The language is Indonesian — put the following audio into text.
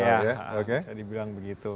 iya bisa dibilang begitu